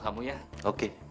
kami sudah terhmm